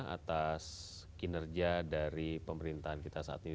atas kinerja dari pemerintahan kita saat ini